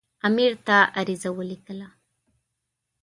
امیر ته عریضه ولیکله.